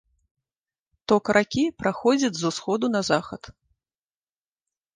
Ток ракі праходзіць з усходу на захад.